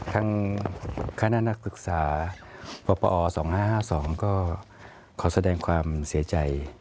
คณะนักศึกษาปป๒๕๕๒ก็ขอแสดงความเสียใจ